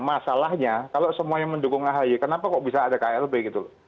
masalahnya kalau semuanya mendukung ahi kenapa kok bisa ada klb gitu loh